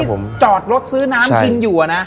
จอดรถซื้อน้ำกินอยู่นะ